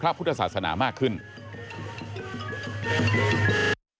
รักษาสนาสาสมีบริเวณปกติ